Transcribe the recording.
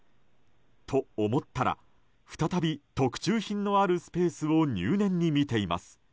と思ったら、再び特注品のあるスペースを入念に見ています。